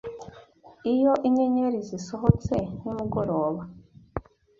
iyo inyenyeri zisohotse nimugoroba